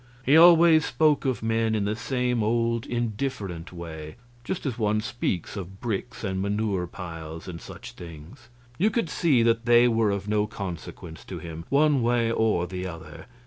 He always spoke of men in the same old indifferent way just as one speaks of bricks and manure piles and such things; you could see that they were of no consequence to him, one way or the other.